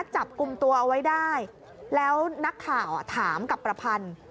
จับกลุ่มตัวเอาไว้ได้แล้วนักข่าวถามกับประพันธ์